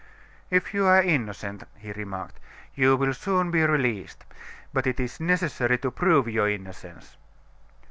"If you are innocent," he remarked, "you will soon be released: but it is necessary to prove your innocence."